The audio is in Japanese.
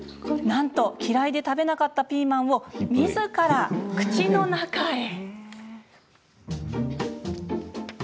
なんと、嫌いで食べなかったピーマンを、みずから口の中へ。